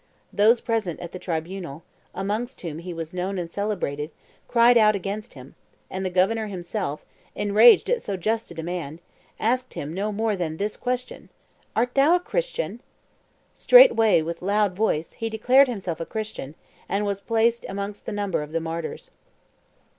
Those present at the tribunal, amongst whom he was known and celebrated, cried out against him, and the governor himself, enraged at so just a demand, asked him no more than this question, 'Art thou a Christian?' Straightway with a loud voice, he declared himself a Christian, and was placed amongst the number of the martyrs.